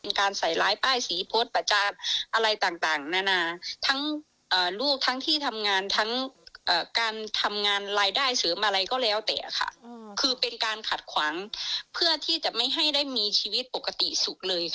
เป็นการใส่ร้ายป้ายสีโพสต์ประจานอะไรต่างนานาทั้งลูกทั้งที่ทำงานทั้งการทำงานรายได้เสริมอะไรก็แล้วแต่ค่ะคือเป็นการขัดขวางเพื่อที่จะไม่ให้ได้มีชีวิตปกติสุขเลยค่ะ